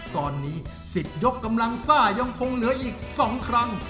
ตอนนี้๑๐ยกกำลังซ่ายังคงเหลืออีก๒ครั้ง